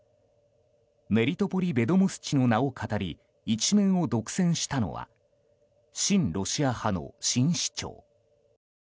メリトポリ・ベドモスチの名をかたり一面を独占したのは親ロシア派の新市長。